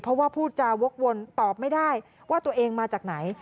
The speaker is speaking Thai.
เพราะว่าพูดจาวกวนตอบไม่ได้ว่าตัวเองมาจากไหน